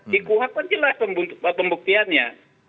dikuat kan jelas pembuktiannya